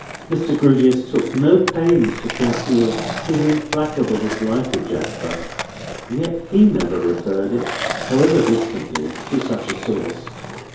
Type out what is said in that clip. Mr. Grewgious took no pains to conceal his implacable dislike of Jasper, yet he never referred it, however distantly, to such a source.